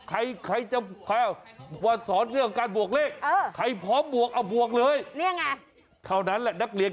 ไม่ได้หมายความว่าให้บวกแบบนักเรียง